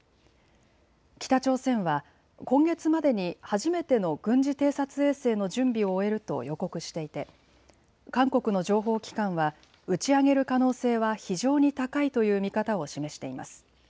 北朝鮮は今月までに初めての軍事偵察衛星の準備を終えると予告していて韓国の情報機関は打ち上げる可能性は非常に高いという見方を示しています。